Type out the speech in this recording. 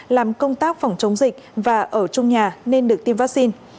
làm công tác phòng chống dịch và ở trong nhà nên được tiêm vaccine